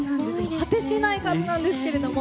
果てしない数なんですけれども。